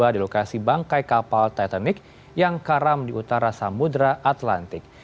di lokasi bangkai kapal titanic yang karam di utara samudera atlantik